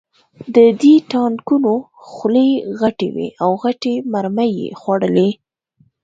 د دې ټانکونو خولې غټې وې او غټې مرمۍ یې خوړلې